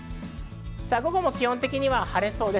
午後も気温的には晴れそうです。